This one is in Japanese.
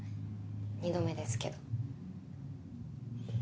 二度目ですけど。